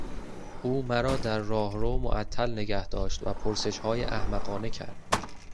او مرا در راهرو معطل نگهداشت و پرسشهای احمقانه کرد.